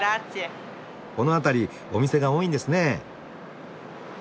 この辺りお店が多いんですね。